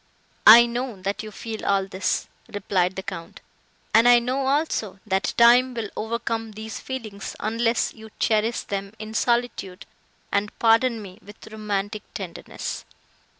"I know, that you feel all this," replied the Count; "and I know, also, that time will overcome these feelings, unless you cherish them in solitude, and, pardon me, with romantic tenderness.